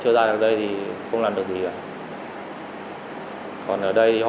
chúng ta hãy cùng xem tình huống cuối cùng này chàng trai sẽ xử lý ra sao